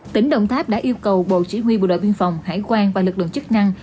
tỉnh đồng tháp đã yêu cầu bộ chỉ huy bộ đội biên phòng hải quan và lực lượng chức năng